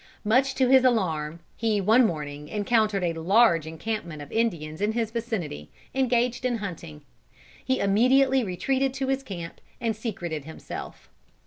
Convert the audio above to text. Much to his alarm, he one morning encountered a large encampment of Indians in his vicinity, engaged in hunting. He immediately retreated to his camp and secreted himself.